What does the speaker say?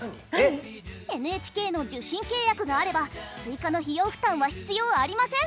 ＮＨＫの受信契約があれば追加の費用負担は必要ありません。